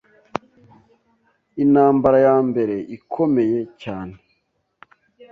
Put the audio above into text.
intambara ya mbere ikomeye cyane